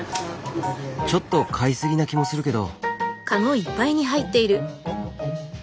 ちょっと買いすぎな気もするけど。